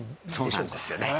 そうなんですよね。